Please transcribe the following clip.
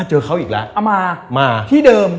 เจอเขาอีกแล้วมาที่เดิม